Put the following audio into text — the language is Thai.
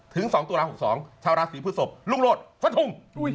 ถึง๒ตุลา๖๒ชาวราศีพฤศพลุงโหลดฟันทง